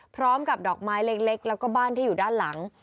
พร้อมกับดอกไม้เล็กแล้วก็บ้านที่อยู่ด้านหลัง